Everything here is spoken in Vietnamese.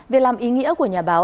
vì làm ý nghĩa của nhà báo